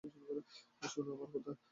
শোনো আমার কথা।